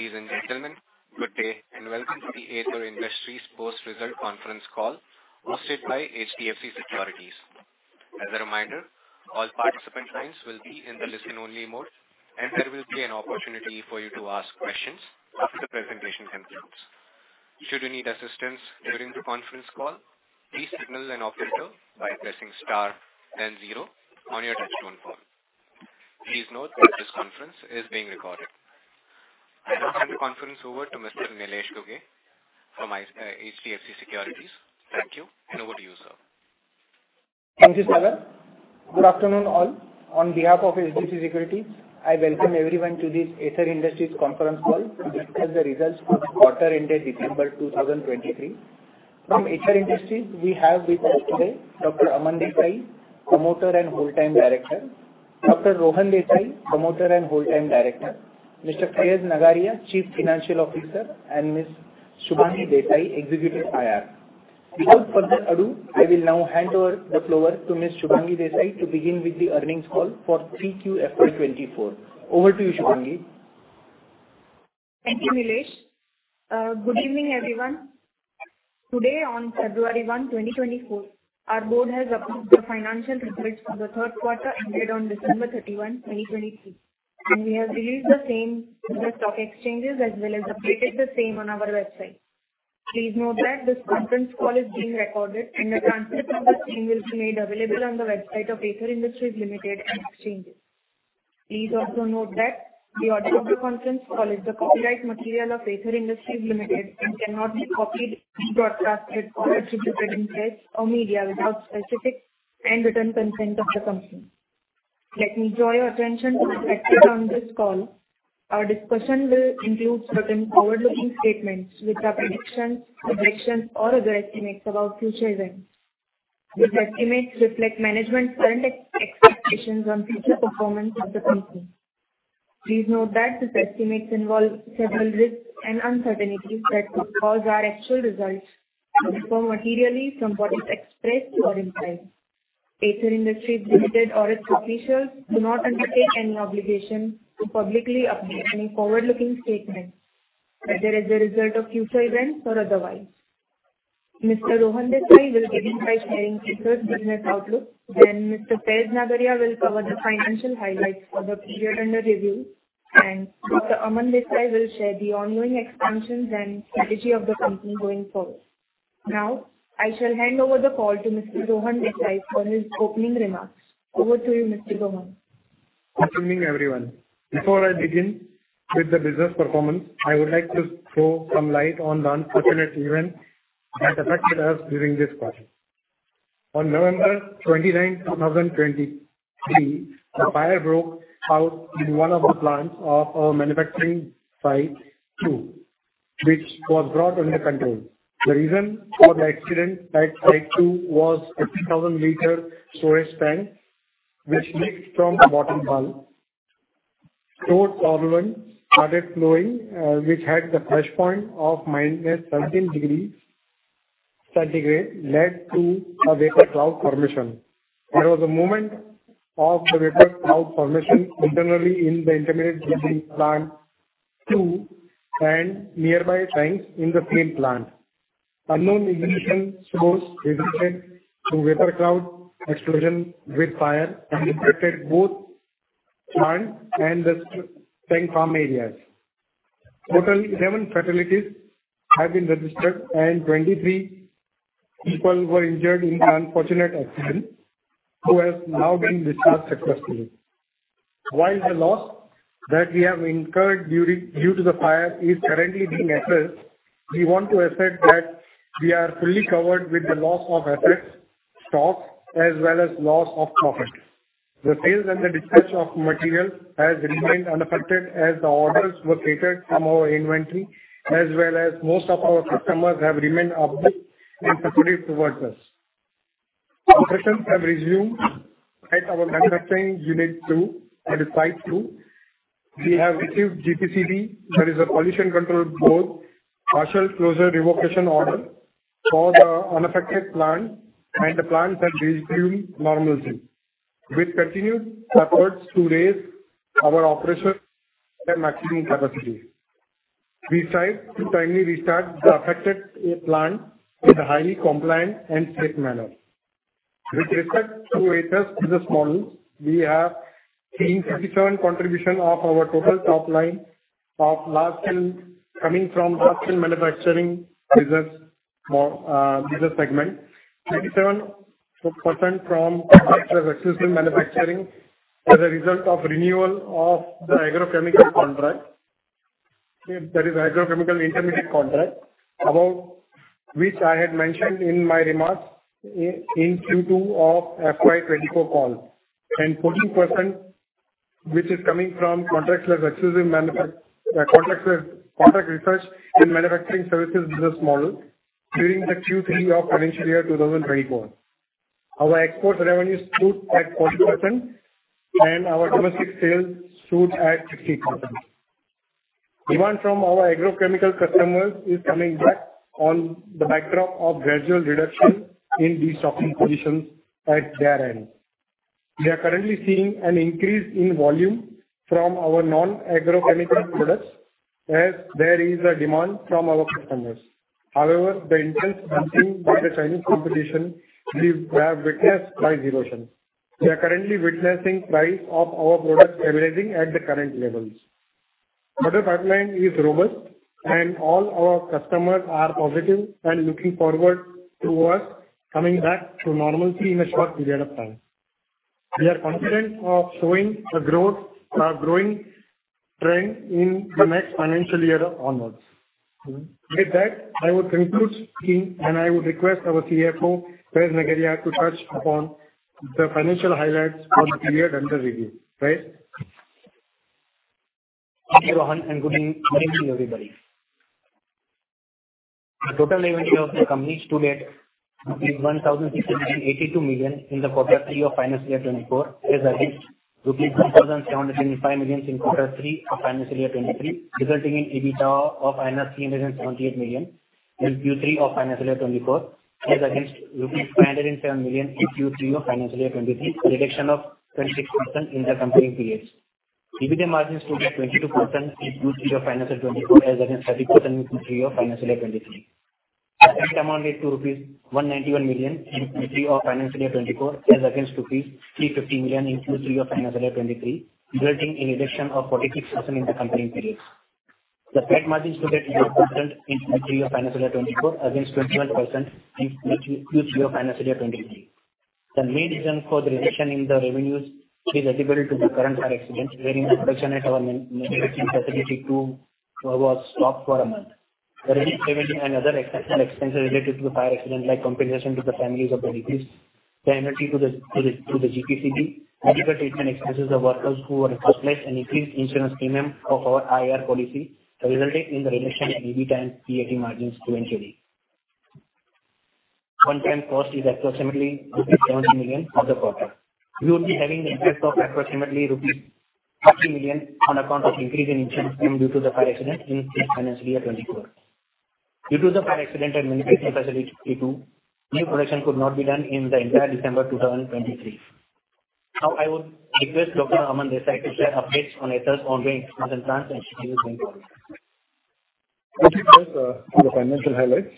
Ladies and gentlemen, good day, and welcome to the Aether Industries Post Result Conference Call, hosted by HDFC Securities. As a reminder, all participant lines will be in the listen-only mode, and there will be an opportunity for you to ask questions after the presentation concludes. Should you need assistance during the conference call, please signal an operator by pressing star then zero on your touchtone phone. Please note that this conference is being recorded. I now hand the conference over to Mr. Nilesh Gogate from HDFC Securities. Thank you, and over to you, sir. Thank you, Sagar. Good afternoon, all. On behalf of HDFC Securities, I welcome everyone to this Aether Industries conference call to discuss the results for the quarter ended December 2023. From Aether Industries, we have with us today Dr. Aman Desai, Promoter and Whole-Time Director, Dr. Rohan Desai, Promoter and Whole-Time Director, Mr. Faiz Nagariya, Chief Financial Officer, and Ms. Shubhangi Desai, Executive IR. Without further ado, I will now hand over the floor to Ms. Shubhangi Desai to begin with the earnings call for 3Q FY 2024. Over to you, Shubhangi. Thank you, Nilesh. Good evening, everyone. Today on February 1, 2024, our board has approved the financial results for the third quarter, ended on December 31, 2023, and we have released the same in the stock exchanges as well as updated the same on our website. Please note that this conference call is being recorded and a transcript of the same will be made available on the website of Aether Industries Limited and exchanges. Please also note that the audio of the conference call is the copyright material of Aether Industries Limited and cannot be copied, rebroadcast, or distributed in sites or media without specific and written consent of the company. Let me draw your attention to the factors on this call. Our discussion will include certain forward-looking statements which are predictions, projections, or other estimates about future events. These estimates reflect management's current expectations on future performance of the company. Please note that these estimates involve several risks and uncertainties that could cause our actual results to differ materially from what is expressed or implied. Aether Industries Limited or its officials do not undertake any obligation to publicly update any forward-looking statements, whether as a result of future events or otherwise. Mr. Rohan Desai will begin by sharing Aether's business outlook, then Mr. Faiz Nagariya will cover the financial highlights for the period under review, and Dr. Aman Desai will share the ongoing expansions and strategy of the company going forward. Now, I shall hand over the call to Mr. Rohan Desai for his opening remarks. Over to you, Mr. Rohan. Good evening, everyone. Before I begin with the business performance, I would like to throw some light on the unfortunate event that affected us during this quarter. On November 29, 2023, a fire broke out in one of the plants of our manufacturing Site 2, which was brought under control. The reason for the accident at Site 2 was a 3,000-liter storage tank, which leaked from the bottom valve. Stored solvent started flowing, which had the flashpoint of -17 degrees centigrade, led to a vapor cloud formation. There was a moment of the vapor cloud formation internally in the intermediate GP plant 2 and nearby tanks in the same plant. Unknown ignition source resulted to vapor cloud explosion with fire and affected both plant and the tank farm areas. Total 11 fatalities have been registered and 23 people were injured in the unfortunate accident, who have now been discharged successfully. While the loss that we have incurred due to the fire is currently being assessed, we want to assert that we are fully covered with the loss of assets, stock, as well as loss of profit. The sales and the dispatch of material has remained unaffected as the orders were catered from our inventory, as well as most of our customers have remained upbeat and supportive towards us. Operations have resumed at our manufacturing unit two, that is, Site 2. We have received GPCB, that is, a Pollution Control Board, partial closure revocation order for the unaffected plant, and the plant has resumed normalcy, with continued efforts to raise our operations at maximum capacity. We strive to timely restart the affected plant with a highly compliant and safe manner. With respect to Aether's business model, we have seen 57% contribution of our total top line of last year coming from contract manufacturing business model segment. 37% from contracts with exclusive manufacturing as a result of renewal of the agrochemical contract, that is, agrochemical intermediate contract, about which I had mentioned in my remarks in Q2 of FY 2024 call. And 14%, which is coming from contracts with exclusive, contracts with product research and manufacturing services business model during the Q3 of financial year 2024. Our export revenues stood at 40%, and our domestic sales stood at 60%. Demand from our agrochemical customers is coming back on the backdrop of gradual reduction in the stocking positions at their end. We are currently seeing an increase in volume from our non-agrochemical products, as there is a demand from our customers. However, the intense competition by the Chinese competition, we have witnessed price erosion. We are currently witnessing price of our products stabilizing at the current levels. But the pipeline is robust, and all our customers are positive and looking forward towards coming back to normalcy in a short period of time. We are confident of showing a growth, growing trend in the next financial year onwards. With that, I would conclude, and I would request our CFO, Faiz Nagariya, to touch upon the financial highlights for the period under review. Faiz? Thank you, Rohan, and good evening, everybody. The total revenue of the company stood at 1,682 million in quarter three of financial year 2024, as against INR 2,705 million in quarter three of financial year 2023, resulting in EBITDA of 378 million in Q3 of financial year 2024, as against rupees 507 million in Q3 of financial year 2023, a reduction of 26% in the company periods. EBITDA margins stood at 22% in Q3 of financial year 2024, as against 30% in Q3 of financial year 2023. Our PAT amounted to rupees 191 million in Q3 of financial year 2024, as against rupees 350 million in Q3 of financial year 2023, resulting in a reduction of 46% in the comparable periods. The profit margin stood at 8% in Q3 of financial year 2024, against 21% in Q3 of financial year 2023. The main reason for the reduction in the revenues is attributable to the current fire accident, where the production at our manufacturing facility two was stopped for a month. The revenue and other exceptional expenses related to the fire accident, like compensation to the families of the deceased, the penalty to the GPCB, medical treatment expenses of workers who are displaced, and increased insurance premium of our IR policy, resulting in the reduction in EBIT and PAT margins sequentially. One-time cost is approximately 70 million of the quarter. We would be having the effect of approximately rupees 30 million on account of increase in insurance premium due to the fire accident in financial year 2024. Due to the fire accident at manufacturing facility two, new production could not be done in the entire December 2023. Now I would request Dr. Aman to share updates on Aether's ongoing expansion plans and schedule going forward. Thank you, Faiz, for the financial highlights.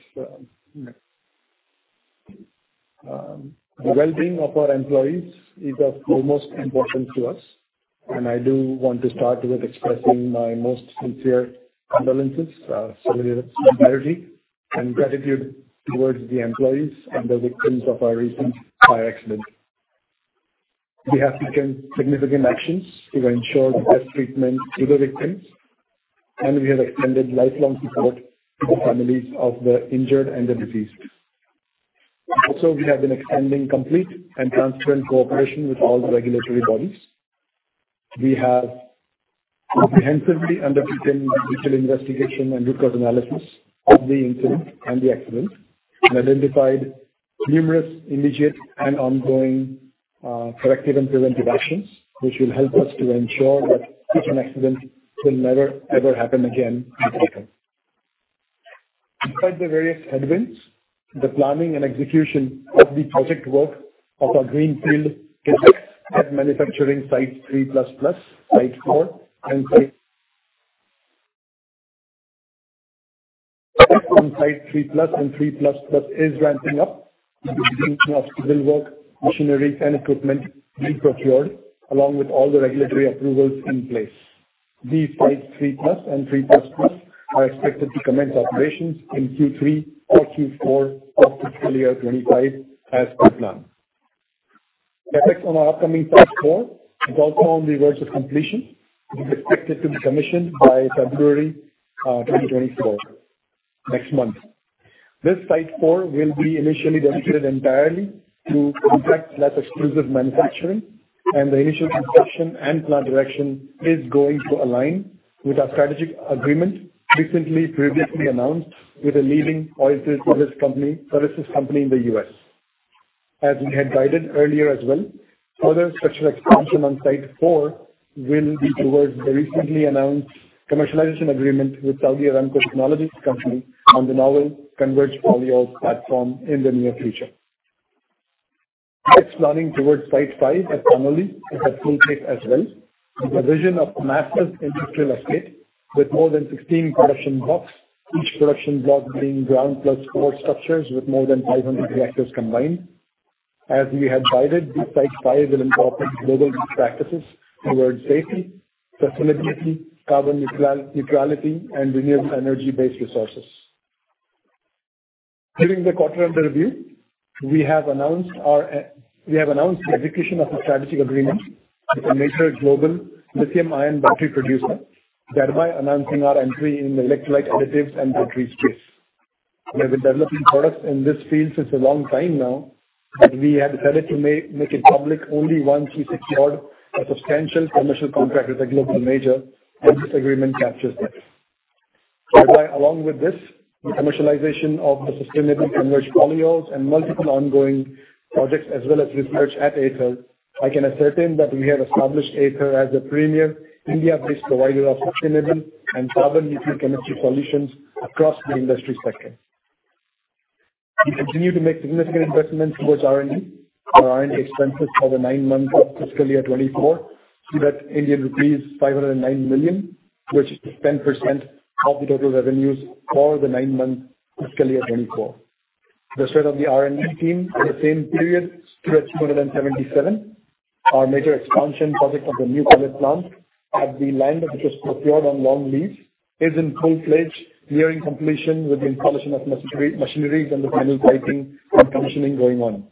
The well-being of our employees is of foremost importance to us, and I do want to start with expressing my most sincere condolences, solidarity and gratitude towards the employees and the victims of our recent fire accident. We have taken significant actions to ensure the best treatment to the victims, and we have extended lifelong support to the families of the injured and the deceased. Also, we have been extending complete and transparent cooperation with all the regulatory bodies. We have comprehensively undertaken detailed investigation and root cause analysis of the incident and the accident, and identified numerous immediate and ongoing, corrective and preventive actions, which will help us to ensure that such an accident will never, ever happen again in the future. Despite the various headwinds, the planning and execution of the project work of our greenfield at manufacturing Site 3++, Site 4. On Site 3+ and 3++ is ramping up, with execution of civil work, machinery and equipment being procured, along with all the regulatory approvals in place. These Site 3+ and 3++ are expected to commence operations in Q3 or Q4 of fiscal year 2025 as per plan. Progress on our upcoming Site 4 is also on the verge of completion, and is expected to be commissioned by February 2024, next month. This Site 4 will be initially dedicated entirely to contract exclusive manufacturing, and the initial construction and plant direction is going to align with our strategic agreement recently previously announced with a leading oil service company, services company in the U.S. As we had guided earlier as well, further structural expansion on Site 4 will be towards the recently announced commercialization agreement with Saudi Aramco Technologies Company on the novel Converge® polyol platform in the near future. It's planning towards Site 5 at Panoli, at full tilt as well, with a vision of a massive industrial estate with more than 16 production blocks, each production block being ground plus four structures with more than 500 reactors combined. As we had guided, the Site 5 will incorporate global best practices towards safety, sustainability, carbon neutrality, and renewable energy-based resources. During the quarter under review, we have announced the execution of a strategic agreement with a major global lithium-ion battery producer, thereby announcing our entry in the electrolyte additives and batteries space. We have been developing products in this field since a long time now, but we had decided to make it public only once we secured a substantial commercial contract with a global major, and this agreement captures this. Thereby, along with this, the commercialization of the sustainable Converge® polyols and multiple ongoing projects, as well as research at Aether, I can ascertain that we have established Aether as a premier India-based provider of sustainable and carbon-neutral chemistry solutions across the industry sector. We continue to make significant investments towards R&D. Our R&D expenses for the nine months of fiscal year 2024, see that Indian rupees 509 million, which is 10% of the total revenues for the nine months, fiscal year 2024. The strength of the R&D team for the same period stood at 277. Our major expansion project of the new pilot plant at the land that was procured on long lease is in full swing, nearing completion, with the installation of machinery and the final piping and commissioning going on.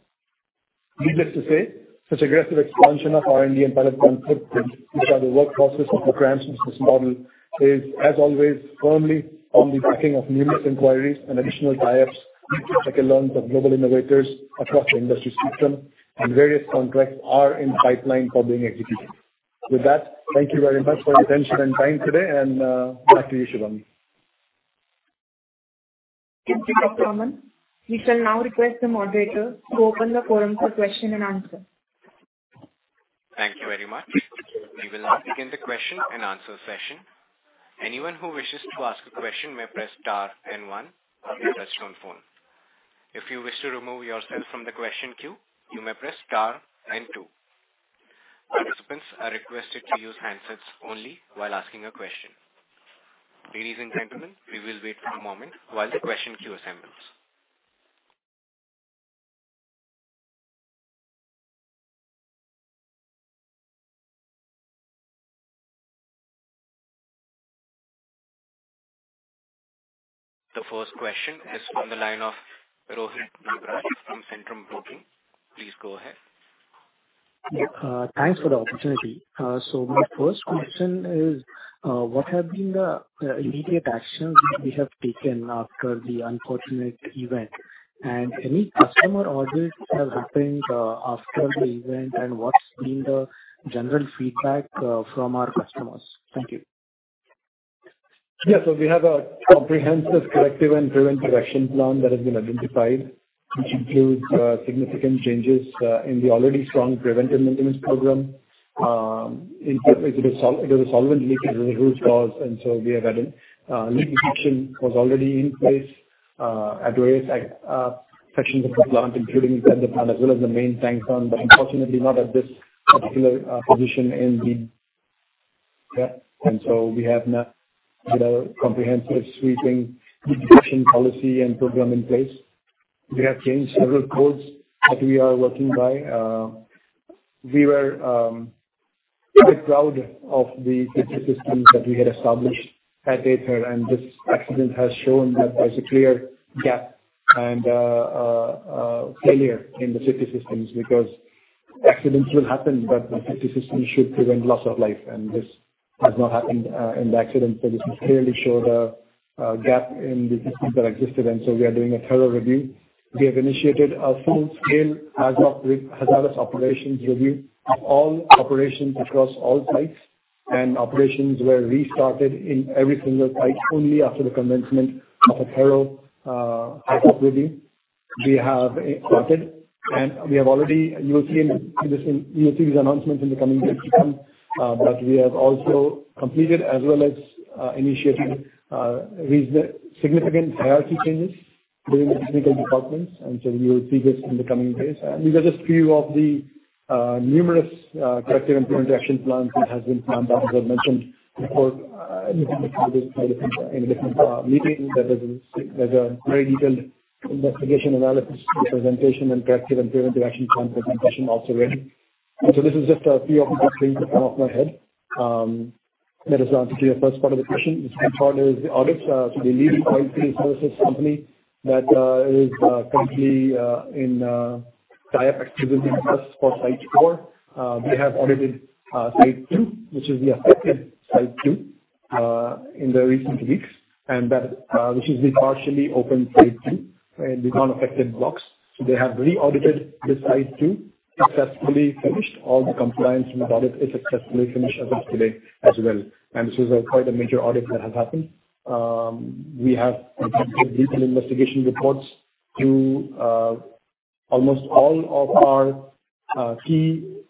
Needless to say, such aggressive expansion of R&D and pilot plant footprint, which are the workhorses of the CRAMS business model, is, as always, firmly backed by numerous inquiries and additional tie-ups, which I can learn from global innovators across the industry ecosystem and various contracts are in the pipeline for being executed. With that, thank you very much for your attention and time today, and back to you, Shubhangi. Thank you, Aman. We shall now request the moderator to open the forum for question and answer. Thank you very much. We will now begin the question and answer session. Anyone who wishes to ask a question may press star and one on your touchtone phone. If you wish to remove yourself from the question queue, you may press star and two. Participants are requested to use handsets only while asking a question. Ladies and gentlemen, we will wait for a moment while the question queue assembles. The first question is from the line of Rohit Nagraj from Centrum Broking. Please go ahead. Thanks for the opportunity. So my first question is, what have been the immediate actions that we have taken after the unfortunate event? And any customer orders have happened after the event, and what's been the general feedback from our customers? Thank you. Yeah, so we have a comprehensive corrective and preventive action plan that has been identified, which includes significant changes in the already strong preventive maintenance program. In fact, it was a solvent leak, it was the root cause, and so we have added leak detection was already in place at various sections of the plant, including the plant as well as the main tank farm, but unfortunately not at this particular position in the. Yeah, and so we have now, you know, comprehensive sweeping detection policy and program in place. We have changed several codes that we are working by. We were quite proud of the safety systems that we had established at Aether, and this accident has shown that there's a clear gap and failure in the safety systems, because accidents will happen, but the safety system should prevent loss of life, and this has not happened in the accident. So this has clearly showed a gap in the systems that existed, and so we are doing a thorough review. We have initiated a full-scale HAZOP, Hazard and Operability Study, of all operations across all sites, and operations were restarted in every single site only after the commencement of a thorough HAZOP review. We have started, and we have already. You will see these announcements in the coming weeks, but we have also completed as well as initiated significant hierarchy changes during the technical departments, and so you will see this in the coming days. These are just a few of the numerous corrective and preventive action plans, which has been planned, as I mentioned before, in the previous, in the different meetings. There's a very detailed investigation analysis presentation and corrective and preventive action plan presentation also ready. So this is just a few of the things off my head. That is the answer to your first part of the question. The second part is the audits. So the leading quality services company that is currently in tie-up activity with us for Site 4. We have audited Site 2, which is the affected Site 2, in the recent weeks, and that which is the partially open Site 2 in the non-affected blocks. So they have re-audited the Site 2, successfully finished. All the compliance with audit is successfully finished as of today as well. And this is quite a major audit that has happened. We have detailed investigation reports to almost all of our key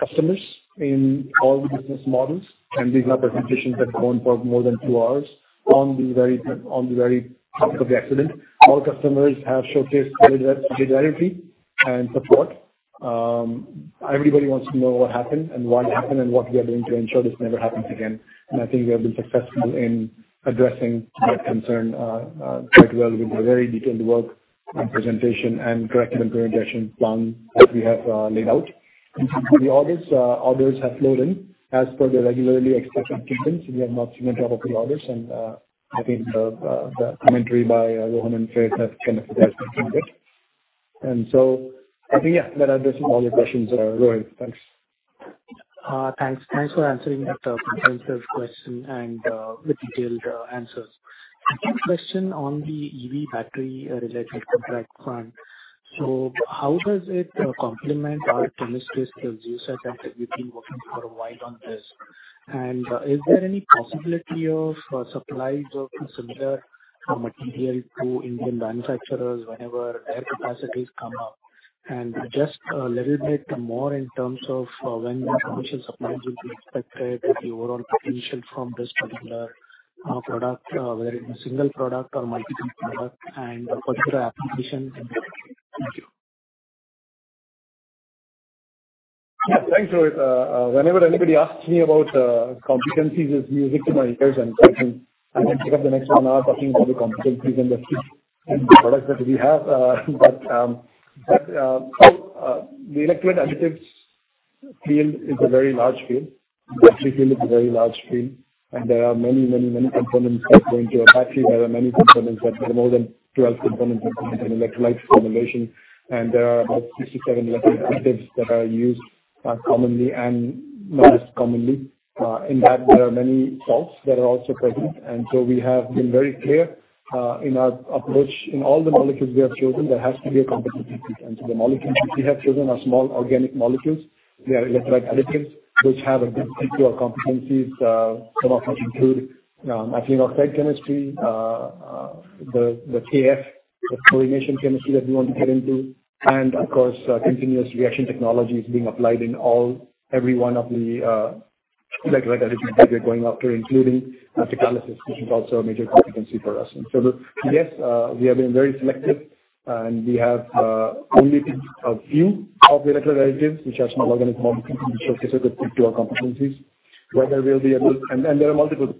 customers in all the business models, and these are presentations that go on for more than two hours on the very top of the accident. Our customers have showcased solidarity and support. Everybody wants to know what happened and why it happened, and what we are doing to ensure this never happens again. I think we have been successful in addressing that concern quite well with the very detailed work and presentation and corrective and preventive action plan that we have laid out. The audits orders have flowed in as per the regularly expected cadence. We have not seen a drop of the orders, and I think the the commentary by Rohan and Faiz have kind of has been good. So I think, yeah, that addresses all your questions, Rohit. Thanks. Thanks. Thanks for answering that comprehensive question and the detailed answers. A quick question on the EV battery-related contract front. So how does it complement our chemistries, the Otsuka technology that we've been working for a while on this? And is there any possibility of supplies of similar material to Indian manufacturers whenever their capacities come up? And just a little bit more in terms of when the commercial supply is expected, the overall potential from this particular product, whether it's a single product or multiple products, and particular application. Thank you. Yeah, thanks Rohit. Whenever anybody asks me about competencies, it's music to my ears, and I can pick up the next one hour talking about the competencies and the products that we have. But the electrolyte additives field is a very large field. The battery field is a very large field, and there are many, many, many components that go into a battery. There are many components that there are more than 12 components in an electrolyte formulation, and there are about 67 electrolyte additives that are used commonly and not as commonly. In that, there are many salts that are also present. And so we have been very clear in our approach. In all the molecules we have chosen, there has to be a competency, and so the molecules we have chosen are small organic molecules. They are electrolyte additives which have a good fit to our competencies. Some of them include methyl oxide chemistry, the, the THF, the coordination chemistry that we want to get into, and of course, Continuous Reaction Technology is being applied in all, every one of the electrolyte additives that we are going after, including catalysis, which is also a major competency for us. And so, yes, we have been very selective, and we have only picked a few of the electrolyte additives, which are small organic molecules, which are specific to our competencies. Where there will be a multi- and, and there are multiple.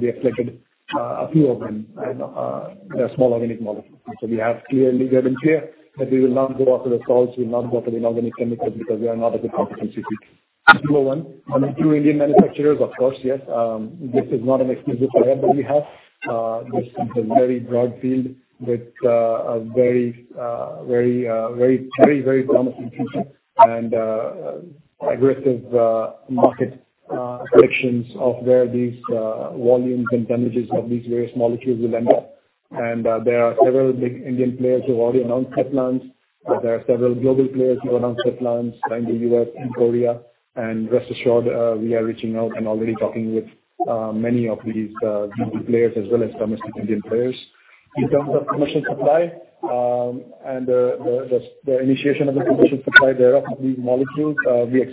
We have selected a few of them, and they're small organic molecules. So we have clearly been clear that we will not go after the salts, we will not go after the inorganic chemicals, because we are not a good competency fit. One, only two Indian manufacturers, of course, yes. This is not an exclusive client that we have. This is a very broad field with a very, very, very, very promising future and aggressive market projections of where these volumes and damages of these various molecules will end up. And there are several big Indian players who've already announced pipelines, but there are several global players who announced pipelines in the U.S. and Korea. And rest assured, we are reaching out and already talking with many of these global players as well as domestic Indian players. In terms of commercial supply and the initiation of the commercial supply thereof these molecules, we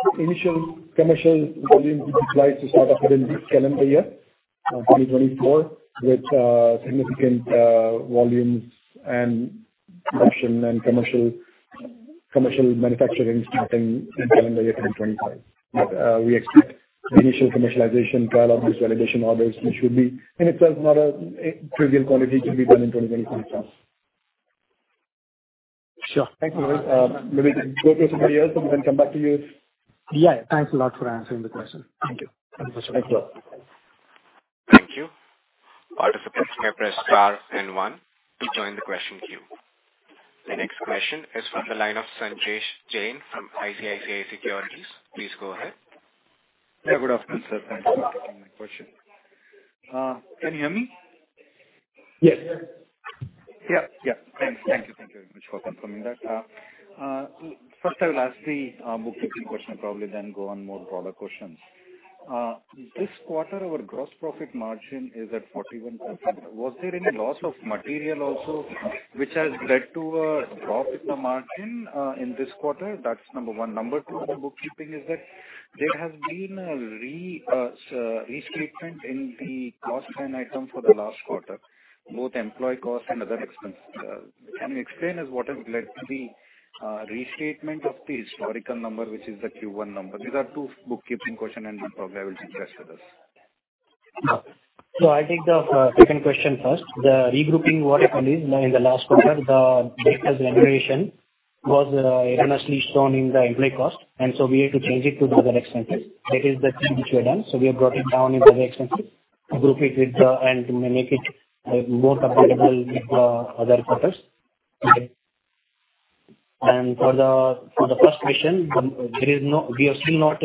expect initial commercial volume, which would like to start off within this calendar year 2024, with significant volumes and production and commercial manufacturing starting in calendar year 2025. But we expect the initial commercialization trial of these validation orders, which should be in itself not a trivial quantity, to be done in 2024. Sure. Thank you Rohit. Maybe we can go to somebody else, and we can come back to you. Yeah. Thanks a lot for answering the question. Thank you. Thank you for answering. Thank you. Thank you. Participants may press star and one to join the question queue. The next question is from the line of Sanjesh Jain from ICICI Securities. Please go ahead. Yeah, good afternoon, sir. Thank you for taking my question. Can you hear me? Yes. Yeah, yeah. Thanks. Thank you, thank you very much for confirming that. First I will ask three the bookkeeping question, probably then go on more broader questions. This quarter, our gross profit margin is at 41%. Was there any loss of material also which has led to a drop in the margin in this quarter? That's number one. Number two, on the bookkeeping is that there has been a restatement in the cost line item for the last quarter, both employee costs and other expenses. Can you explain as what has led to the restatement of the historical number, which is the Q1 number? These are two bookkeeping question, and one probably I will suggest with us. So I'll take the second question first. The regrouping what happened is, in the last quarter, the declaration was erroneously shown in the employee cost, and so we had to change it to the other expenses. That is the thing which we have done. So we have brought it down in the other expenses to group it with the. and make it more comparable with other quarters. And for the first question, there is no. We have still not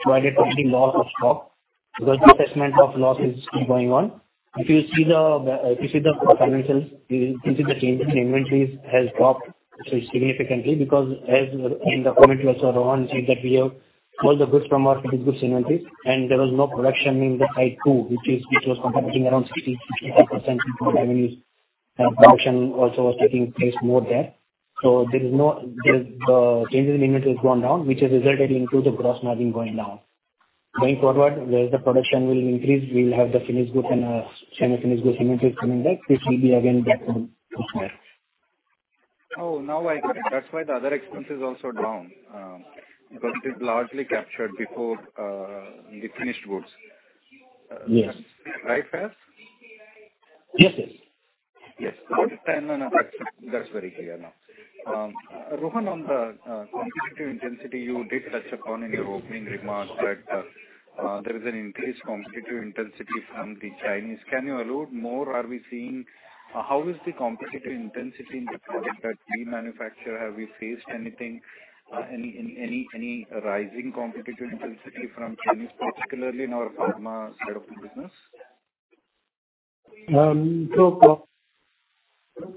provided any loss of stock, because the assessment of loss is still going on. If you see the, if you see the financials, you will see the changes in inventories has dropped so significantly, because as in the comment also, Rohan said that we have all the goods from our goods inventories, and there was no production in the Site 2, which was contributing around 60-65% of our revenues. Production also was taking place more there. So the changes in inventory has gone down, which has resulted in to the gross margin going down. Going forward, as the production will increase, we will have the finished goods and semi-finished goods inventories coming back, which will be again back on to somewhere. Oh, now I get it. That's why the other expense is also down, because it's largely captured before the finished goods. Yes. Right, Faiz? Yes, yes. Yes. Got it, then that's very clear now. Rohan, on the competitive intensity, you did touch upon in your opening remarks that there is an increased competitive intensity from the Chinese. Can you allude more? Are we seeing. How is the competitive intensity in the product that we manufacture? Have we faced anything, any rising competitive intensity from Chinese, particularly in our pharma side of the business? So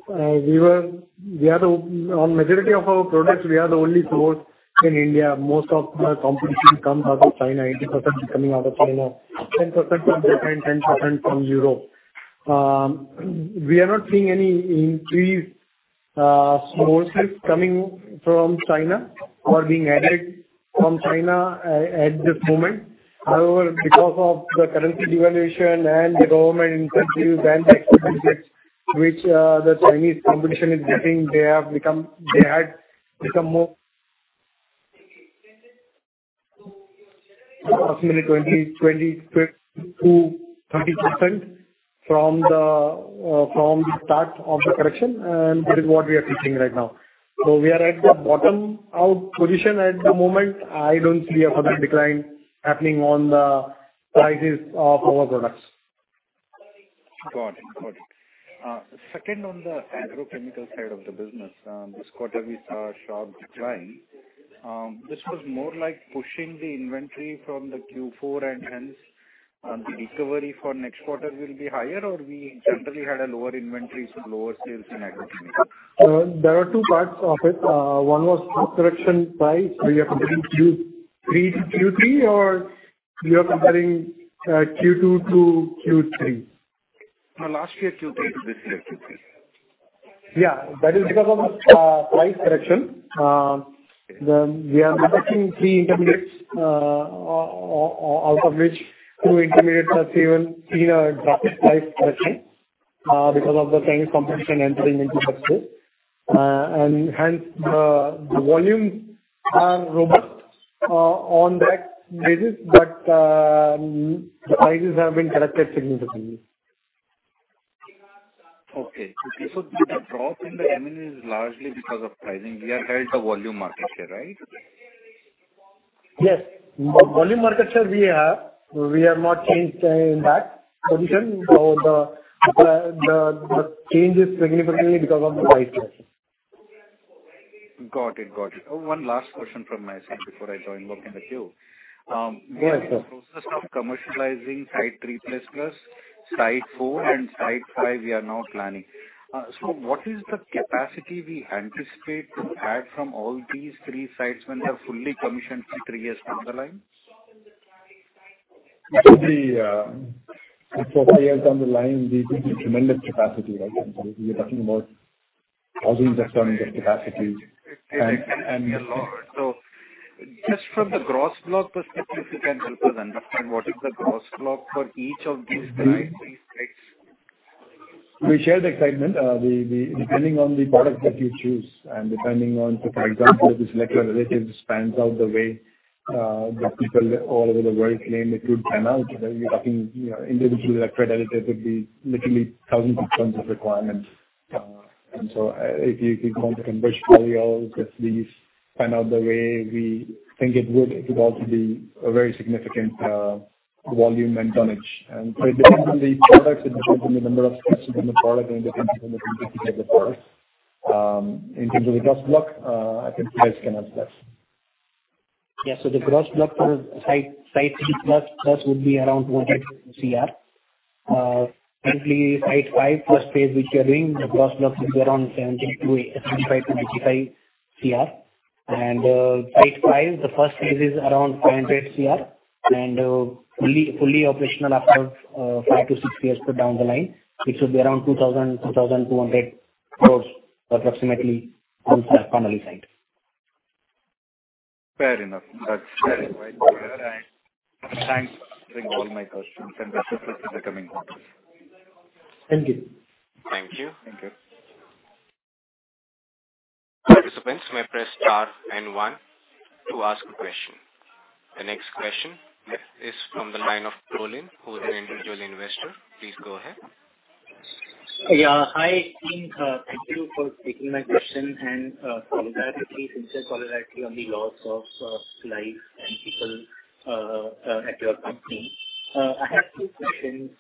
pro. We were, we are on majority of our products, we are the only source in India. Most of the competition comes out of China, 80% coming out of China, 10% from Japan, 10% from Europe. We are not seeing any increased sources coming from China or being added from China at this moment. However, because of the currency devaluation and the government incentives and tax benefits, which the Chinese competition is getting, they have become, they had become more approximately 20, 20%-30% from the start of the correction, and that is what we are seeing right now. So we are at the bottom out position at the moment. I don't see a further decline happening on the prices of our products. Got it. Got it. Second, on the agrochemical side of the business, this quarter we saw a sharp decline. This was more like pushing the inventory from the Q4, and hence, the recovery for next quarter will be higher, or we generally had a lower inventory, so lower sales in agrochemicals? There are two parts of it. One was price correction price. So you have to Q3 to Q3, or we are comparing Q2 to Q3? No, last year Q3 to this year Q3. Yeah, that is because of price correction. Then we are protecting three intermediates, out of which two intermediates have seen a drastic price correction, because of the Chinese competition entering into that space. And hence, the volumes are robust, on that basis, but the prices have been corrected significantly. Okay. So the drop in the M&A is largely because of pricing. We have held the volume market share, right? Yes. Volume market share we have. We have not changed in that position. So the change is significantly because of the price change. Got it. Got it. One last question from my side before I join back in the queue. Yes, sir. Process of commercializing Site 3++, Site 4 and Site 5, we are now planning. So what is the capacity we anticipate to add from all these three sites when they are fully commissioned three years down the line? It will be, three years down the line, we build a tremendous capacity, right? We are talking about thousands of tons of capacity and, and. Just from the gross block perspective, if you can help us understand, what is the gross block for each of these three sites? We share the excitement. The depending on the product that you choose, and depending on, for example, if this electrolyte pans out the way, the people all over the world claim it would pan out, then we're talking, you know, individual electrolyte would be literally thousands of tons of requirements. And so if you, if you want to convert all, just please find out the way we think it would, it could also be a very significant, volume and tonnage. And so it depends on the products, it depends on the number of specs on the product, and it depends on the specific product. In terms of the gross block, I think Faiz can help us. Yes, so the gross block for Site 3+, Site 3++ would be around 100 Cr. Currently, Site 5 first phase, which we are doing, the gross block is around 72, 75-55 Cr. Site 5, the first phase is around 500 Cr, and, fully, fully operational after five-six years down the line, it should be around 2,000-2,200 crore, approximately, on the final site. Fair enough. That's fair enough right there, and thanks for answering all my questions, and best of luck in the coming quarters. Thank you. Thank you. Thank you. Participants may press star and one to ask a question. The next question is from the line of Colin, who is an individual investor. Please go ahead. Yeah. Hi, team. Thank you for taking my question and, solidarity, sincere solidarity on the loss of, life and people, at your company. I have two questions.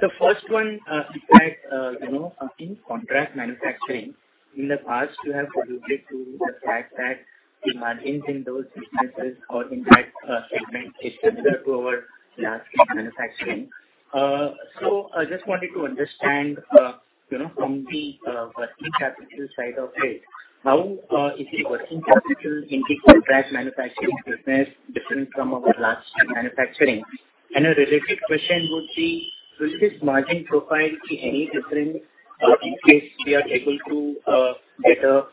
The first one is that, you know, in contract manufacturing, in the past, you have alluded to the fact that the margins in those businesses or in that, segment is similar to our large scale manufacturing. So I just wanted to understand, you know, from the, working capital side of it, how, is the working capital in the contract manufacturing business different from our large scale manufacturing? And a related question would be: Will this margin profile be any different, in case we are able to, get a,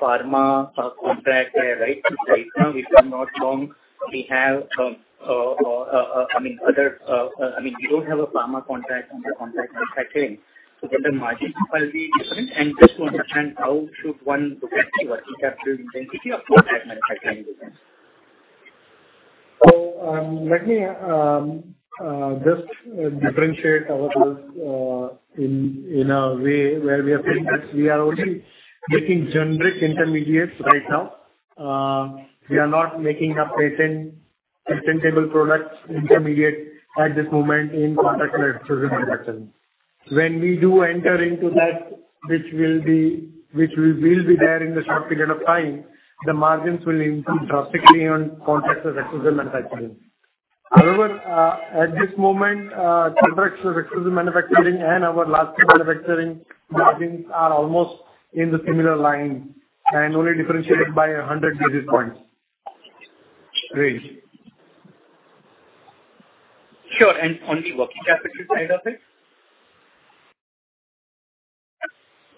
pharma, contract, right? Right now, if I'm not wrong, we have, I mean, we don't have a pharma contract under contract manufacturing, so will the margin profile be different? And just to understand, how should one look at the working capital intensity of contract manufacturing business? So, let me just differentiate our views in a way where we are saying that we are only making generic intermediates right now. We are not making a patentable products intermediate at this moment in contract manufacturing. When we do enter into that, which we will be there in a short period of time, the margins will improve drastically on contract manufacturing. Rohan, at this moment, contract exclusive manufacturing and our large scale manufacturing margins are almost in the similar line and only differentiated by 100 basis points. Great. Sure. On the working capital side of it?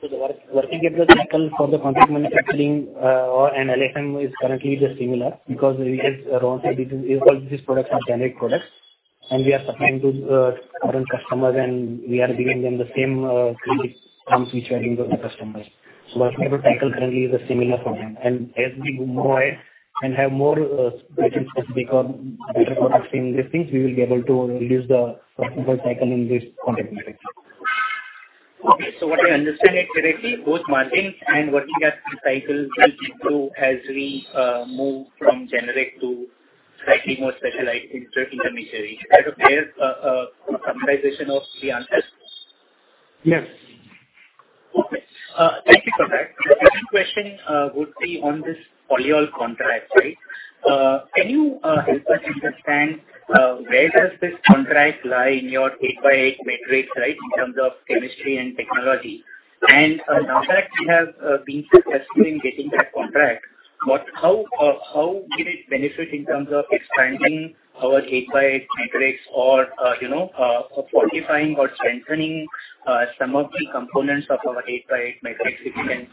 So the working capital cycle for the contract manufacturing, or an LSM is currently just similar because it is around 30 because these products are generic products, and we are supplying to, current customers, and we are giving them the same, credit terms which are giving to the customers. So working capital cycle currently is a similar for them. And as we move more and have more, specific or better products in this thing, we will be able to reduce the working capital cycle in this contract manufacturing. Okay. So, do I understand it correctly, both margins and working capital cycles will improve as we move from generic to slightly more specialized intermediary. Is that a fair summarization of the answers? Yes. Okay, thank you for that. The second question would be on this polyols contract, right? Can you help us understand where does this contract lie in your eight by eight matrix, right, in terms of chemistry and technology? And now that we have been successful in getting that contract, but how will it benefit in terms of expanding our eight by eight matrix or, you know, fortifying or strengthening some of the components of our eight by eight matrix if you can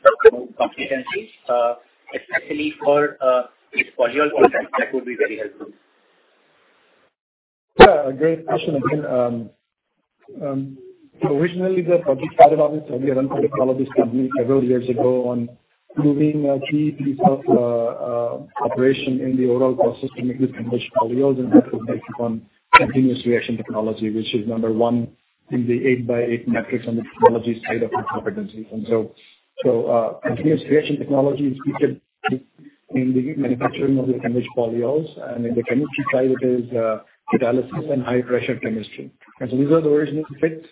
comment, especially for this polyol contract, that would be very helpful. Yeah, a great question again. Originally, the project started off with Aramco Technologies Company several years ago on building a key piece of operation in the overall process to make this polyols, and that was based on continuous reaction technology, which is number one in the eight by eight metrics on the technology side of the company. And so, continuous reaction technology is featured in the manufacturing of the Converge polyols, and in the chemistry side, it is catalysis and high pressure chemistry. And so these are the original fits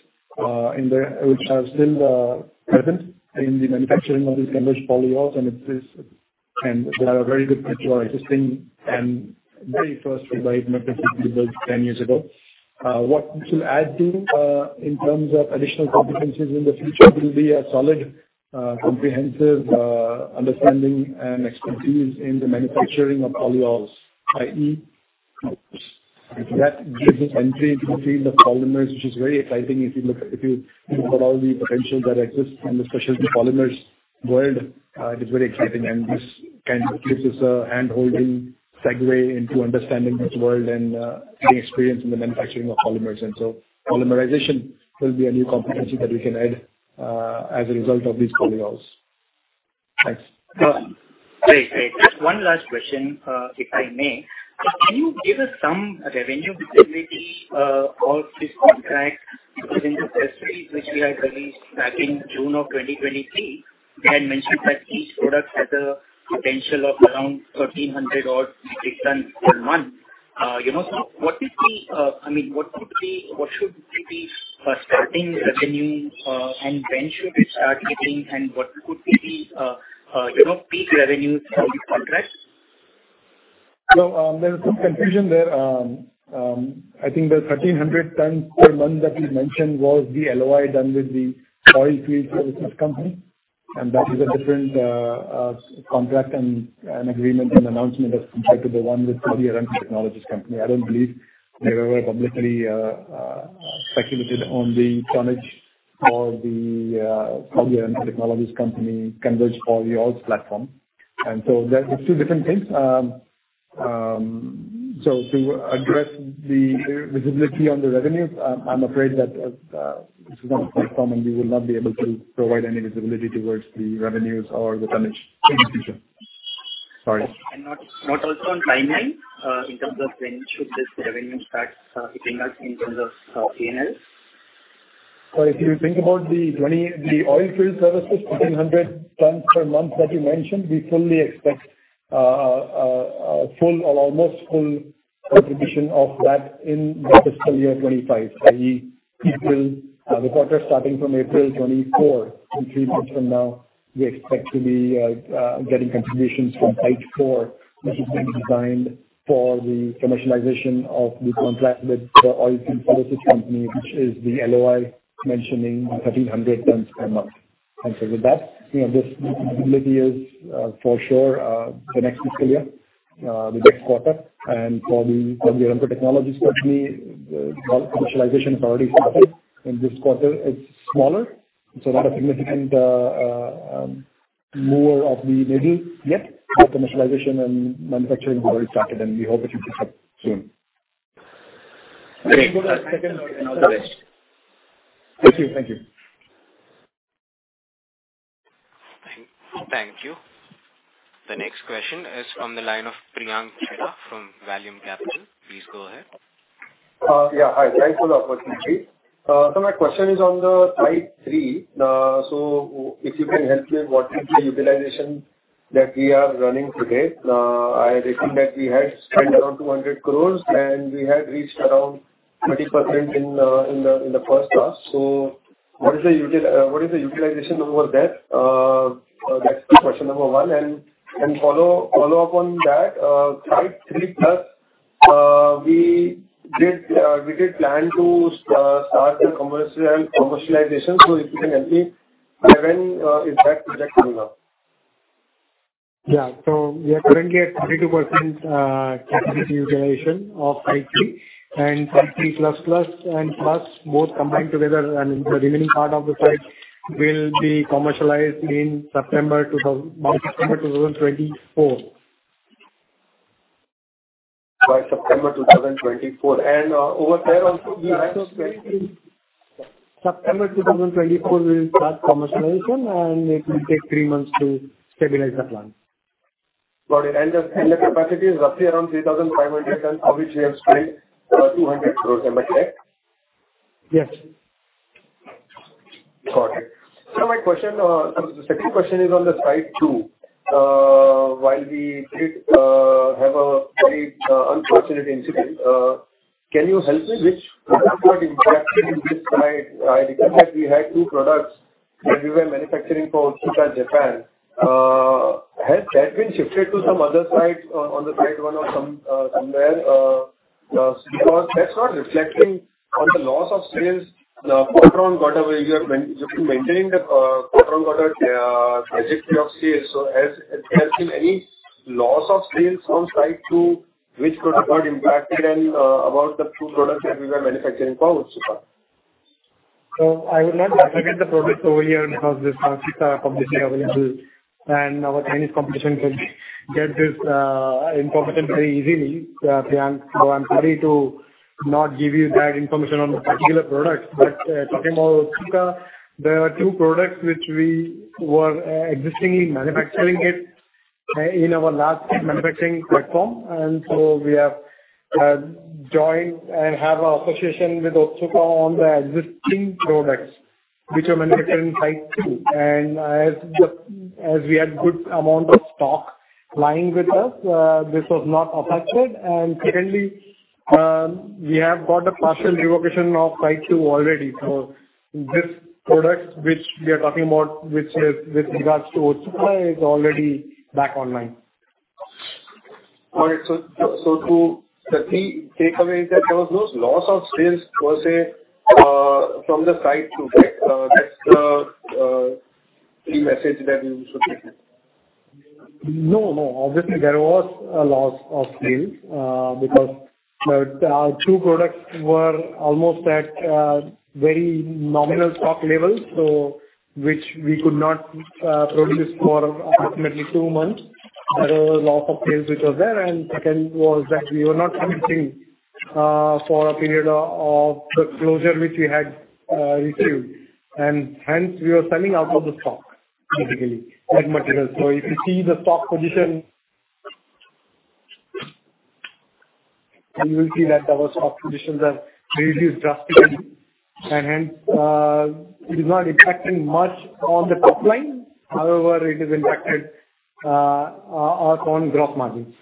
in there, which are still present in the manufacturing of these Converge polyols, and it is, and they are a very good fit to our existing and very first R&D methods we built 10 years ago. What to add to in terms of additional competencies in the future will be a solid comprehensive understanding and expertise in the manufacturing of polyols, i.e., that business entry into the polymers, which is very exciting if you look at, if you look at all the potential that exists in the specialty polymers world, it is very exciting. And this kind of gives us a handholding segue into understanding this world and getting experience in the manufacturing of polymers. And so polymerization will be a new competency that we can add as a result of these polyols. Thanks. Great. Great. Just one last question, if I may. So can you give us some revenue visibility, of this contract? Because in the press release, which we had released back in June of 2023, we had mentioned that each product has a potential of around 1,300-odd metric tons per month. You know, so what is the, I mean, what could be, what should be the, starting revenue, and when should we start getting, and what could be the, you know, peak revenues from the contract? So, there's some confusion there. I think the 1,300 tons per month that we mentioned was the LOI done with the oil field services company, and that is a different contract and agreement and announcement as compared to the one with Technologies Company. I don't believe they were publicly speculated on the tonnage for the technologies company Converge polyols platform. And so that it's two different things. So to address the visibility on the revenues, I'm afraid that this is not common, we will not be able to provide any visibility towards the revenues or the tonnage in the future. Sorry. Not also on timeline, in terms of when should this revenue start hitting us in terms of P&L? So if you think about the 20- the oil field services, 1,300 tons per month that you mentioned, we fully expect a full or almost full contribution of that in the fiscal year 25, i.e., April, the quarter starting from April 2024. In three months from now, we expect to be getting contributions from Site 4, which is being designed for the commercialization of the contract with the oil services company, which is the LOI, mentioning 1,300 tons per month. And so with that, you know, this visibility is for sure the next fiscal year, the next quarter. And for the technologies company, the commercialization has already started in this quarter. It's smaller, it's a lot of significant, more of the middle yet, but commercialization and manufacturing have already started, and we hope it will pick up soon. Great. Thank you. Thank you. Thank you. The next question is on the line of Priyank Chheda from Vallum Capital. Please go ahead. Yeah. Hi, thanks for the opportunity. So my question is on the Site 3. So if you can help me, what is the utilization that we are running today? I reckon that we had spent around 200 crore, and we had reached around 30% in the first half. So what is the utilization over there? That's question number one. And follow up on that, Site 3+, we did plan to start the commercial commercialization. So if you can help me, when is that project coming up? Yeah. So we are currently at 32% capacity utilization of Site 3, and Site 3+, ++, and +++, both combined together, and the remaining part of the site will be commercialized by September 2024. By September 2024. And, over there also. Yeah, so September 2024, we'll start commercialization, and it will take three months to stabilize the plant. Got it. The capacity is roughly around 3,500 tons, of which we have sold 200 crore, am I correct? Yes. Got it. Now, my question, the second question is on Site 2. While we did have a very unfortunate incident, can you help me which impact in this site? I recall that we had two products that we were manufacturing for Otsuka, Japan. Has that been shifted to some other site, on Site 1 or somewhere, because that's not reflecting on the loss of sales, the quarter-on-quarter, where you're maintaining the quarter-on-quarter trajectory of sales. So has there been any loss of sales on Site 2, which could have got impacted and about the two products that we were manufacturing for Otsuka? So I would not like to get the products over here because this Otsuka competition available, and our Chinese competition could get this information very easily, Priyank. So I'm sorry to not give you that information on the particular products. But, talking about Otsuka, there are two products which we were already manufacturing it in our large scale manufacturing platform. And so we have joined and have a association with Otsuka on the existing products, which are manufactured in Site 2. And as we had good amount of stock lying with us, this was not affected. And secondly, we have got a partial revocation of Site 2 already. So this product which we are talking about, which is with regards to Otsuka, is already back online. All right. So to the key takeaway is that there was no loss of sales per se from the Site 2, right? That's the key message that you should give me. No, no. Obviously, there was a loss of sales, because the, two products were almost at, very nominal stock levels, so which we could not, produce for approximately two months. There was loss of sales which was there, and second was that we were not producing, for a period of the closure, which we had, received. And hence, we were selling out of the stock, basically, like material. So if you see the stock position, you will see that our stock positions have reduced drastically. And hence, it is not impacting much on the top line. However, it is impacted, on gross margins.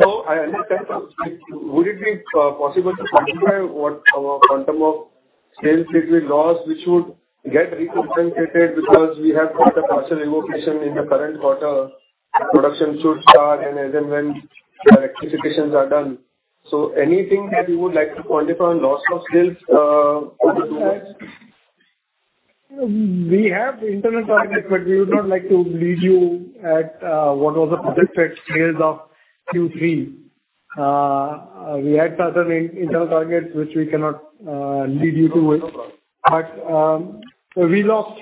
So I understand. Would it be possible to quantify what our quantum of sales that we lost, which would get recompensated because we have got a partial revocation in the current quarter? Production should start and as and when the rectifications are done. So anything that you would like to quantify on loss of sales over two months? We have internal target, but we would not like to lead you to what was the public fit sales of Q3. We had certain internal targets which we cannot lead you to it. But, we lost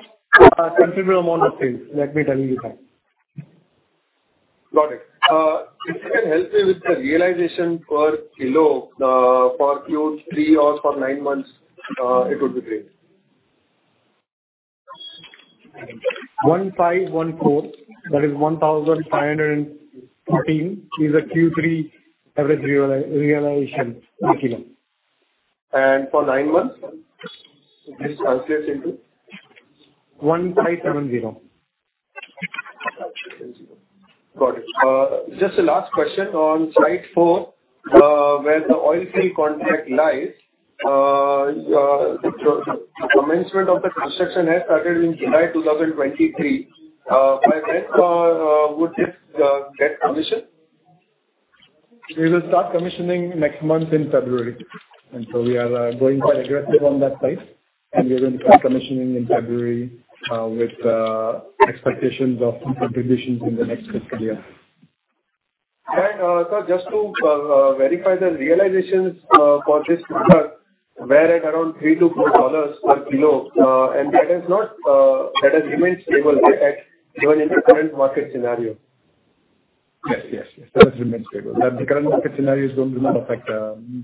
a considerable amount of sales, let me tell you that. Got it. If you can help me with the realization per kilo, for Q3 or for nine months, it would be great. 1,514. That is 1,514, is the Q3 average realization per kilo. For nine months? Just calculate into. 1,570. Got it. Just a last question on Site 4, where the oil field contract lies, the commencement of the construction has started in July 2023. By when would it get commissioned? We will start commissioning next month in February. And so we are going quite aggressive on that site, and we are going to start commissioning in February, with expectations of some contributions in the next fiscal year. Sir, just to verify the realizations for this contract were at around $3-$4 per kilo, and that has remained stable, even in the current market scenario? Yes, yes. Yes, that remains stable. The current market scenario is going to not affect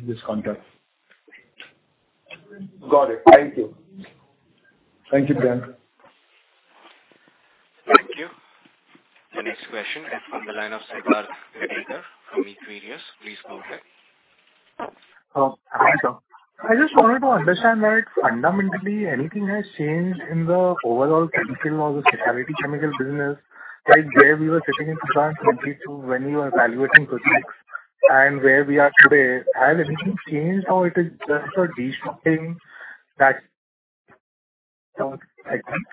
this contract. Got it. Thank you. Thank you, Priyank. Thank you. The next question is from the line of Siddharth Redkar from Nitinius. Please go ahead. Oh, hi, sir. I just wanted to understand that fundamentally anything has changed in the overall chemical or the specialty chemical business, like where we were sitting in 2022 when we were evaluating projects and where we are today, has anything changed or it is just a destocking that, I think?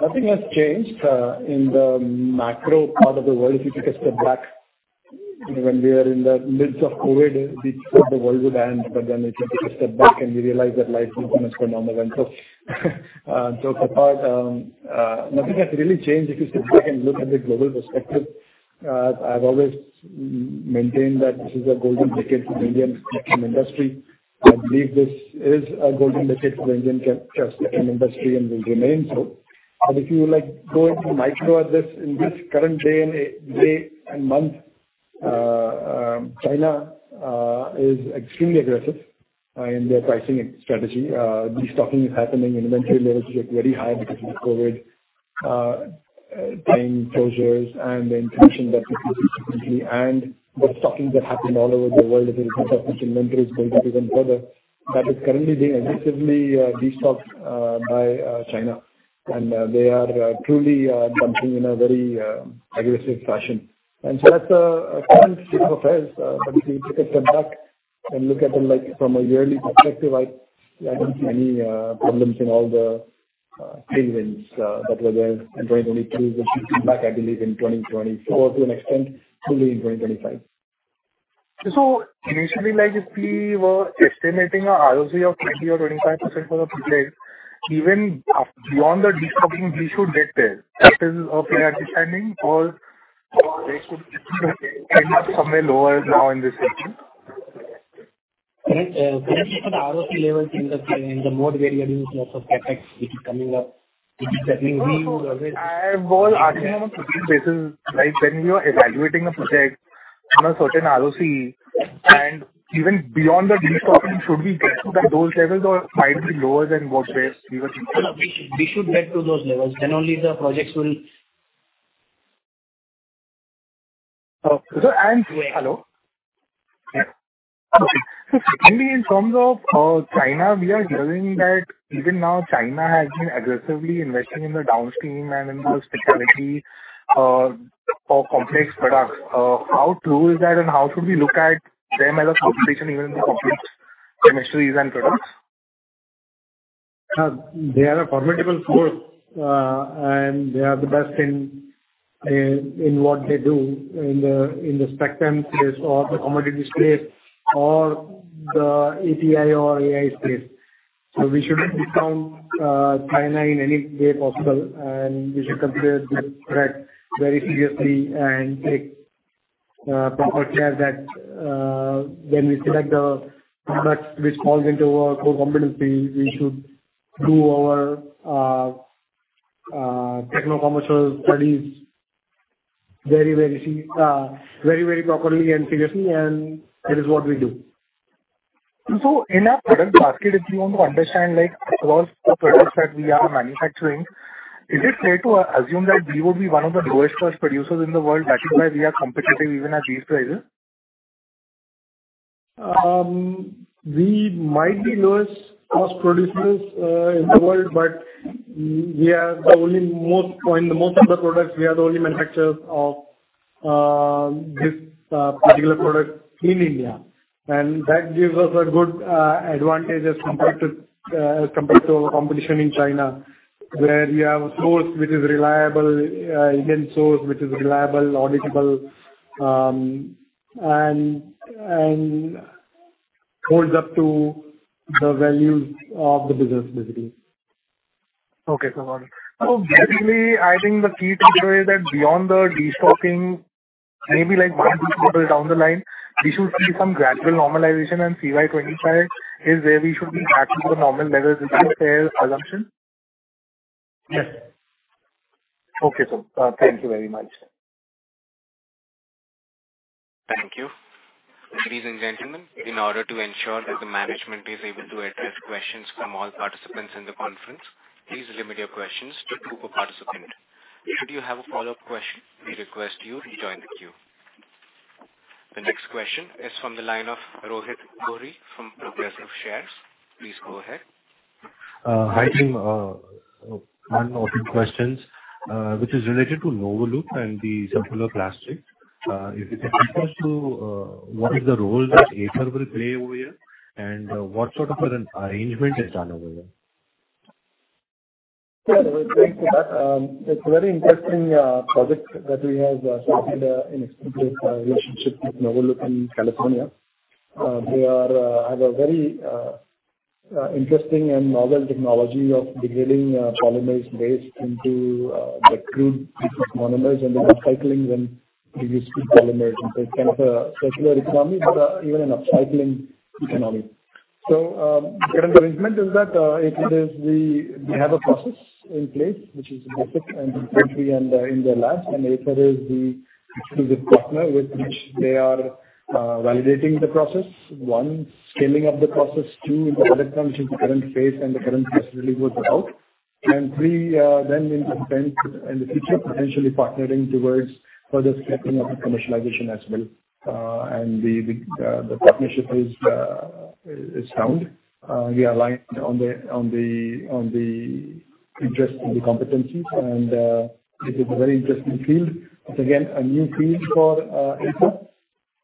Nothing has changed in the macro part of the world. If you take a step back, when we were in the midst of COVID, we thought the world would end, but then if you take a step back and we realize that life is going on as normal. And so, so far, nothing has really changed. If you sit back and look at the global perspective, I've always maintained that this is a golden decade for the Indian chem industry. I believe this is a golden decade for the Indian chem, chem industry, and will remain so. But if you would like, go into micro address in this current day and day and month, China is extremely aggressive in their pricing and strategy. Destocking is happening, inventory levels are very high because of the COVID time closures and the inflation that and the stocking that happened all over the world, if you look at inventory is going even further. That is currently being aggressively destocked by China. And they are truly dumping in a very aggressive fashion. And so that's a current state of affairs. But if you take a step back and look at them, like, from a yearly perspective, I don't see any problems in all the tailwinds that were there in 2022, which will come back, I believe, in 2024, to an extent, fully in 2025. So initially, like, if we were estimating a ROC of 20 or 25% for the project, even up beyond the destocking, we should get there. That is okay at this timing or they could end up somewhere lower now in this section? And, for the ROC level in the mode where you're using lots of effects, which is coming up, which is certainly we will always. I was asking on a prudent basis, like, when we are evaluating a project on a certain ROC, and even beyond the destocking, should we get to that those levels or might be lower than what basis we were thinking? No, no, we should, we should get to those levels, then only the projects will. Hello? Yeah. Okay. Secondly, in terms of China, we are hearing that even now, China has been aggressively investing in the downstream and in the specialty, or complex products. How true is that, and how should we look at them as a competition, even in the complex chemistries and products? They are a formidable force, and they are the best in what they do in the spectrum space or the commodity space or the API or AI space. So we shouldn't discount China in any way possible, and we should consider this threat very seriously and take proper care that when we select the products which falls into our core competency, we should do our techno-commercial studies very, very, very, very properly and seriously, and it is what we do. In our product basket, if you want to understand, like, across the products that we are manufacturing, is it fair to assume that we will be one of the lowest cost producers in the world, that is why we are competitive even at these prices? We might be lowest cost producers in the world, but we are the only most... In the most of the products, we are the only manufacturers of this particular product in India. And that gives us a good advantage as compared to as compared to our competition in China, where we have a source which is reliable Indian source, which is reliable, auditable, and and holds up to the values of the business basically. Okay, so got it. So basically, I think the key takeaway is that beyond the destocking, maybe, like, one or two quarters down the line, we should see some gradual normalization, and CY 2025 is where we should be back to the normal levels. Is this a fair assumption? Yes. Okay, sir. Thank you very much. Thank you. Ladies and gentlemen, in order to ensure that the management is able to address questions from all participants in the conference, please limit your questions to two per participant. If you have a follow-up question, we request you rejoin the queue. The next question is from the line of Rohit Gori from Progressive Shares. Please go ahead. Hi, team. One or two questions, which is related to Novoloop and the circular plastic. If you can take us to what is the role that Aether will play over here, and what sort of an arrangement is done over here? Yeah, Rohit, thanks for that. It's a very interesting project that we have started in exclusive relationship with Novoloop in California. They have a very interesting and novel technology of degrading polymer waste into the crude monomers and upcycling them previous polymers. So it's kind of a circular economy, but even an upcycling economy. So, current arrangement is that it is the- they have a process in place which is basic engineering and in their labs, and Aether is the exclusive partner with which they are validating the process. One, scaling up the process. Two, into product, which is the current phase, and the current phase really works out. And three, then in the future, potentially partnering towards further stepping up the commercialization as well. The partnership is sound. We are aligned on the interest and the competencies, and it is a very interesting field. It's again, a new field for Aether.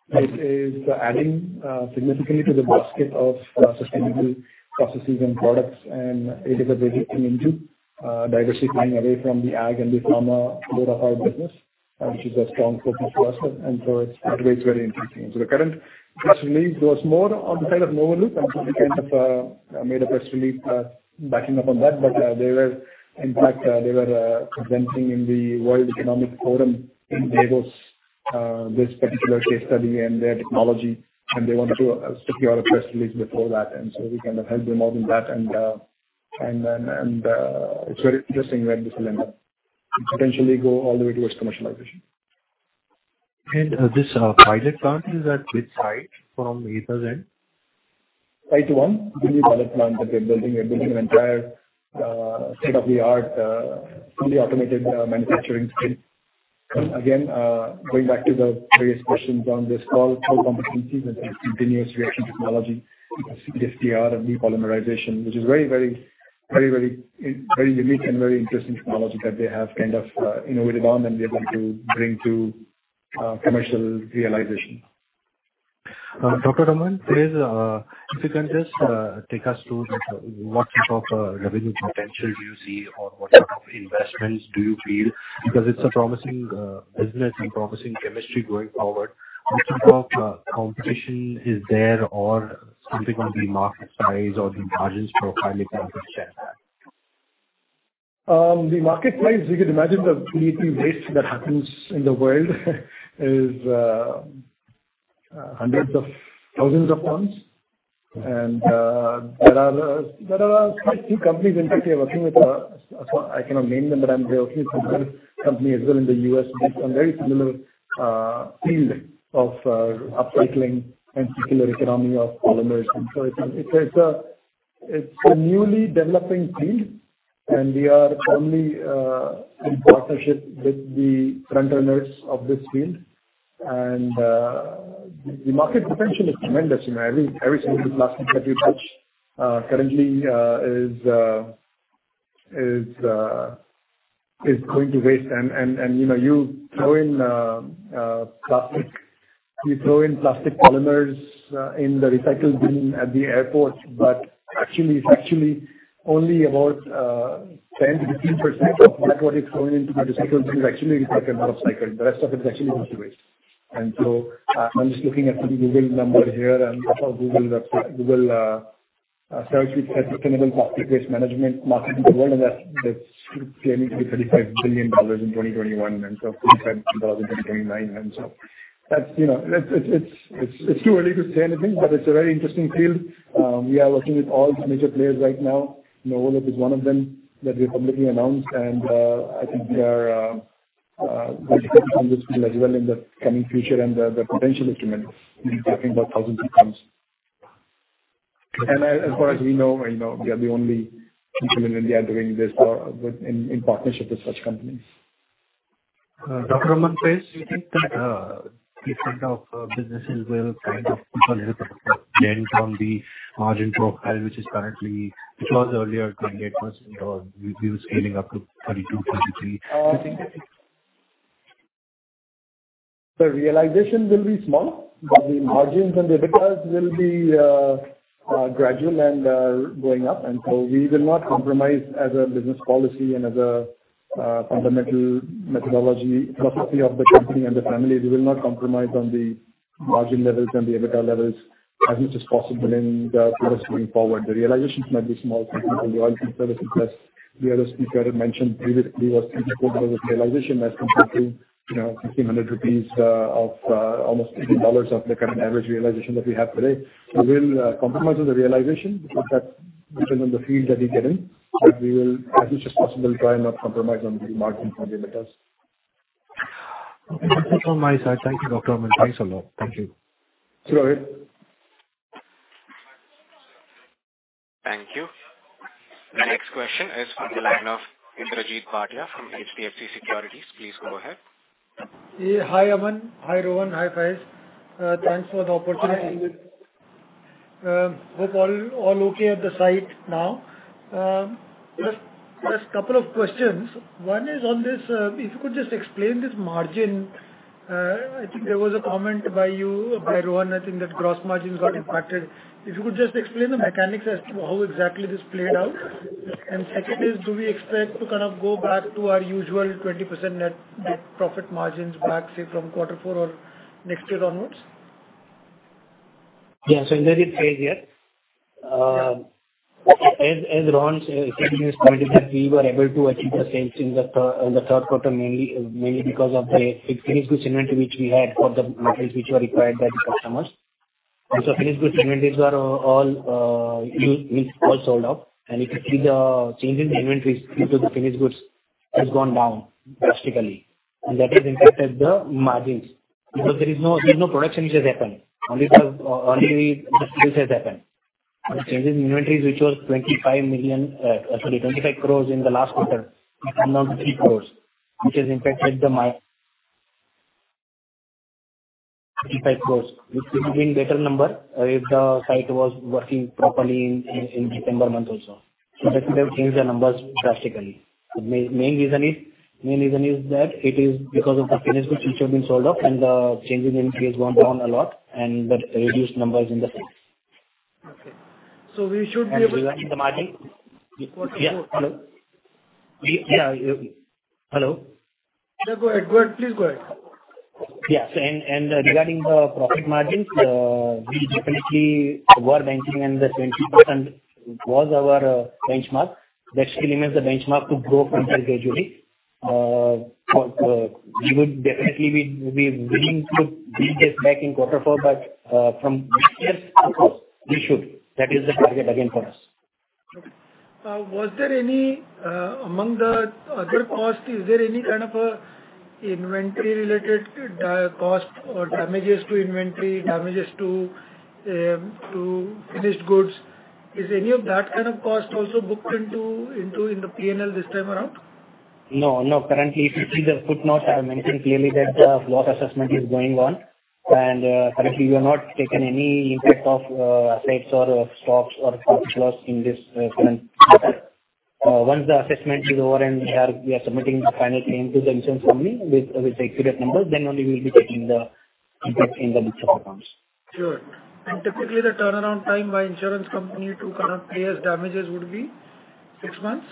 It is adding significantly to the basket of sustainable processes and products, and it is a big thing into diversity, moving away from the ag and the pharma part of our business, which is a strong focus for us. And so it's very interesting. So the current press release was more on the side of Novoloop, and so we kind of made a press release backing up on that. But, in fact, they were presenting in the World Economic Forum in Davos, this particular case study and their technology, and they wanted to secure a press release before that, and so we kind of helped them out in that. And then, it's very interesting where this will end up. Potentially go all the way towards commercialization. This pilot plant, is that which site from Aether's end? Site 1, the new pilot plant that we're building. We're building an entire, state-of-the-art, fully automated, manufacturing scale. Again, going back to the various questions on this call, core competencies and continuous reaction technology, CRT and depolymerization, which is very, very, very, very, very unique and very interesting technology that they have kind of, innovated on and they're going to bring to, commercial realization. Dr. Aman, please, if you can just take us through what sort of revenue potential do you see or what type of investments do you feel? Because it's a promising business and promising chemistry going forward. What type of competition is there or something on the market size or the margins profile I can understand? The market price, you could imagine the PPE waste that happens in the world is hundreds of thousands of tons. And there are quite a few companies in which we are working with. I cannot name them, but I'm working with one company as well in the U.S., on very similar field of upcycling and circular economy of polymers. And so it's a newly developing field, and we are only in partnership with the frontrunners of this field. And the market potential is tremendous. You know, every single plastic that we touch currently is going to waste. And you know, you throw in plastic, you throw in plastic polymers in the recycling bin at the airport. But actually, it's actually only about, 10%-15% of what is going into the recycle bin is actually recycled or upcycled. The rest of it is actually going to waste. And so I'm just looking at the Google number here, and Google, sustainable plastic waste management market in the world, and that's claiming to be $35 billion in 2021, and so 35 in 2029. And so that's, you know, it's, it's, it's, it's too early to say anything, but it's a very interesting field. We are working with all the major players right now. Novoloop is one of them that we have publicly announced, and, I think we are, working on this field as well in the coming future. And the, the potential is tremendous. We're talking about thousands of tons. As far as we know, you know, we are the only people in India doing this in partnership with such companies. Dr. Aman Desai, do you think that different kind of businesses will kind of keep a little bit on the margin profile, which is currently? It was earlier 28%, or you scaling up to 22, 23? The realization will be small, but the margins and EBITDA will be gradual and going up. And so we will not compromise as a business policy and as a fundamental methodology, philosophy of the company and the family. We will not compromise on the margin levels and the EBITDA levels as much as possible in the years going forward. The realizations might be small because the oil service, as the other speaker had mentioned previously, was INR 3,000 realization as compared to, you know, 1,500 rupees of almost $80 of the current average realization that we have today. So we'll compromise on the realization because that depends on the field that we get in, but we will, as much as possible, try and not compromise on the margin for the metric. Okay. That's all my side. Thank you, Dr. Aman. Thanks a lot. Thank you. Sure. Thank you. The next question is from the line of Inderjeet Bhatia from HDFC Securities. Please go ahead. Yeah. Hi, Aman. Hi, Rohan. Hi, Faiz. Thanks for the opportunity. Hope all okay at the site now. Just couple of questions. One is on this, if you could just explain this margin. I think there was a comment by you, by Rohan, I think, that gross margins got impacted. If you could just explain the mechanics as to how exactly this played out. And second is, do we expect to kind of go back to our usual 20% net profit margins back, say, from quarter four or next year onwards? Yeah, so Inderjeet Bhatia. As Rohan said, we were able to achieve the sales in the third quarter, mainly because of the finished goods inventory, which we had for the materials which were required by the customers. And so finished goods inventories are all sold out, and you can see the change in the inventories into the finished goods has gone down drastically, and that has impacted the margins, because there is no production which has happened, only the sales has happened. The change in inventories, which was twenty-five million, sorry, 25 crore in the last quarter, it come down to 3 crore, which has impacted the margins—INR 25 crore, which would have been better number if the site was working properly in December month also. So that would have changed the numbers drastically. The main reason is that it is because of the finished goods which have been sold off, and the changes in has gone down a lot, and that reduced numbers in the sales. Okay. So we should be able- Regarding the margin? Yeah. Hello? We, yeah. Hello? Yeah, go ahead. Go ahead. Please go ahead. Yes, and regarding the profit margins, we definitely were banking on the 20% was our benchmark. That still remains the benchmark to grow from there gradually. We would definitely be willing to bring this back in quarter four, but from next year, of course, we should. That is the target again for us. Okay. Was there any among the other costs, is there any kind of a inventory-related cost or damages to inventory, damages to finished goods? Is any of that kind of cost also booked into the PNL this time around? No, no. Currently, we just could not have mentioned clearly that the loss assessment is going on. Currently, we have not taken any impact of assets or stocks or stock loss in this current quarter. Once the assessment is over and we are submitting the final claim to the insurance company with the accurate numbers, then only we will be taking the impact in the books of accounts. Sure. Typically, the turnaround time by insurance company to kind of clear damages would be six months?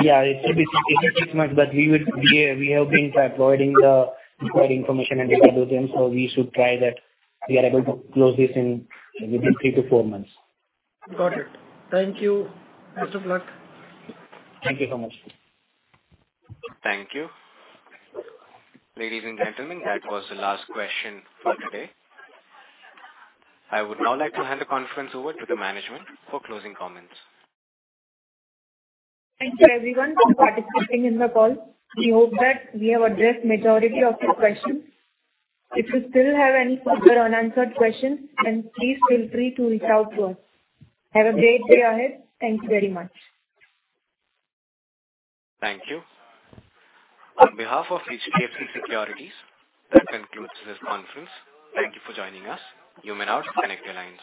Yeah, it should be, it should be six months, but we would be, we have been providing the required information and data to them, so we should try that we are able to close this in within three to four months. Got it. Thank you. Best of luck. Thank you so much. Thank you. Ladies and gentlemen, that was the last question for today. I would now like to hand the conference over to the management for closing comments. Thank you, everyone, for participating in the call. We hope that we have addressed majority of your questions. If you still have any further unanswered questions, then please feel free to reach out to us. Have a great day ahead. Thank you very much. Thank you. On behalf of HDFC Securities, that concludes this conference. Thank you for joining us. You may now disconnect your lines.